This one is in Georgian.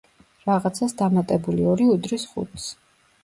„რაღაცას“ დამატებული ორი უდრის ხუთს.